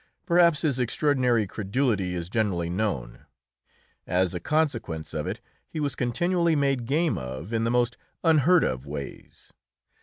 Perhaps his extraordinary credulity is generally known. As a consequence of it he was continually made game of in the most unheard of ways.